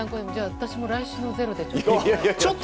私も来週の「ｚｅｒｏ」でちょっと。